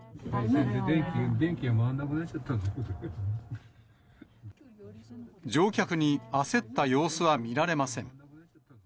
電気が回らなくなっちゃった乗客に焦った様子は見られません。